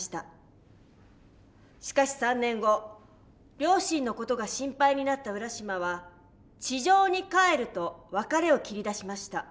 しかし３年後両親の事が心配になった浦島は「地上に帰る」と別れを切り出しました。